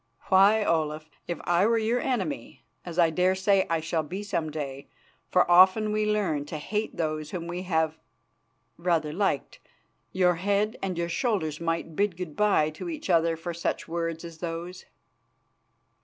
Why, Olaf, if I were your enemy, as I dare say I shall be some day, for often we learn to hate those whom we have rather liked, your head and your shoulders might bid good bye to each other for such words as those."